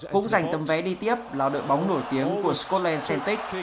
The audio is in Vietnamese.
cũng giành tấm vé đi tiếp là đội bóng nổi tiếng của scotland celtic